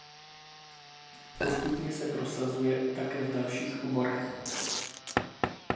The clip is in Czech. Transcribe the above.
Postupně se prosazuje také v dalších oborech.